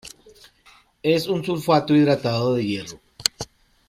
Es un sulfato hidratado de hierro.